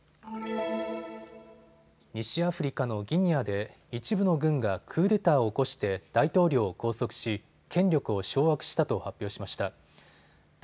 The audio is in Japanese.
西アフリカのギニアで一部の軍がクーデターを起こして大統領を拘束し権力を掌握したと発表しました。